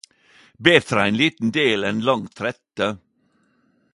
Betre ein liten del enn lang trette